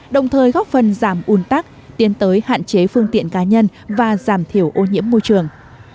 đồng thời góp phần giảm un tắc tiến tới hạn chế phương tiện cá nhân và giảm thiểu ô nhiễm môi trường